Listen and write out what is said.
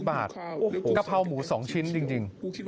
บาทกะเพราหมู๒ชิ้นจริง